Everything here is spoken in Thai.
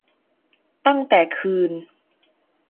ตั้งแต่คืน